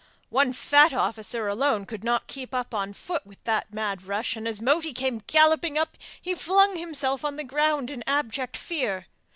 One fat officer alone could not keep up on foot with that mad rush, and as Moti came galloping up he flung himself on the ground in abject fear.